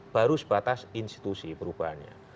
baru sebatas institusi perubahannya